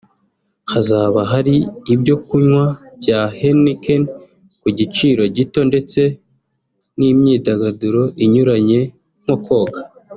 Hazaba hari ibyo kunywa bya Heineken ku giciro gito ndetse n’imyidagaduro inyuranye nko koga